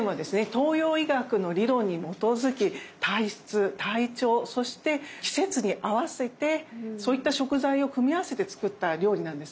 東洋医学の理論に基づき体質体調そして季節に合わせてそういった食材を組み合わせて作った料理なんですね。